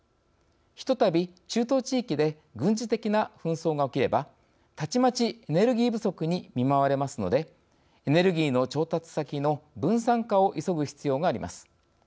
ひとたび、中東地域で軍事的な紛争が起きればたちまちエネルギー不足に見舞われますのでエネルギーの調達先の分散化を急ぐ必要があります。